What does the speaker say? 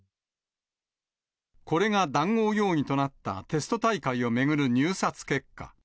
これが談合容疑となったテスト大会を巡る入札結果。